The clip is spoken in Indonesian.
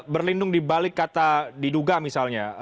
berlindung dibalik kata diduga misalnya